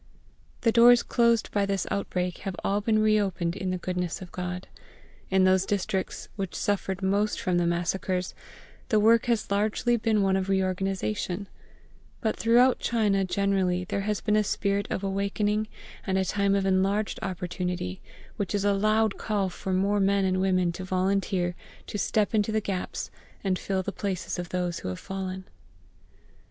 The doors closed by this outbreak have all been reopened in the goodness of GOD. In those districts which suffered most from the massacres the work has largely been one of reorganisation; but throughout China generally there has been a spirit of awakening and a time of enlarged opportunity; which is a loud call for more men and women to volunteer to step into the gaps and fill the places of those who have fallen.